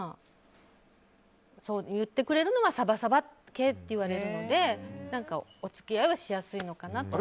言ってくれるのはサバサバ系って言われるのでお付き合いはしやすいのかなと。